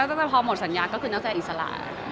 ใช่ค่ะทั้งแต่พอหมดสัญญาก็คือนักแสดงอินสาระ